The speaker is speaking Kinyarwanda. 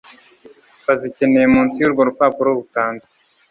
bazikeneye Munsi y urwo rupapuro rutanzwe